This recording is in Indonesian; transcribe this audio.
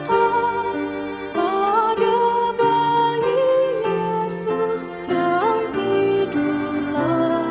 ada bayi yesus yang tidur lalai